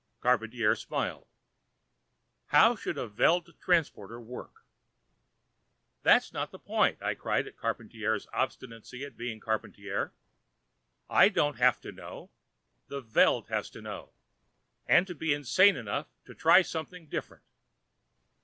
Charpantier smiled. "How should a Veld transporter work?" "That's not the point!" I cried at Charpantier's obstinacy in being Charpantier. "I don't have to know. The Veld has to know, and be insane enough to try something different.